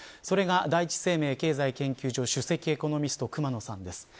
それが第一生命経済研究所首席エコノミストの熊野さんです。